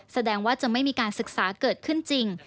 แสดงว่าจะไม่มีการศึกษาเกิดขึ้นจริง